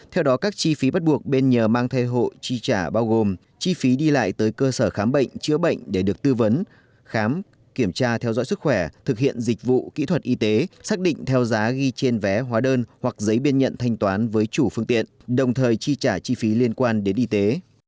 theo đó các chi phí bắt buộc bên nhờ mang thai hộ chi trả bao gồm chi phí đi lại tới cơ sở khám bệnh chữa bệnh để được tư vấn khám kiểm tra theo dõi sức khỏe thực hiện dịch vụ kỹ thuật y tế xác định theo giá ghi trên vé hóa đơn hoặc giấy biên nhận thanh toán với chủ phương tiện đồng thời chi trả chi phí liên quan đến y tế